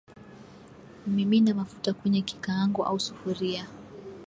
Mimina mafuta kwenye kikaango au sufuria